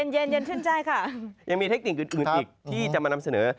ย็ายังมีเทคนิคอื่นอีกที่จะมาดำเสนอ